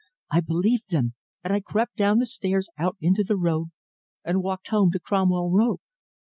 I believed them, and I crept down the stairs out into the road, and walked home to Cromwell Road.